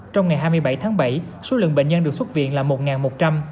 trong ngày hai mươi bảy tháng bảy số lượng bệnh nhân được xuất viện là một một trăm linh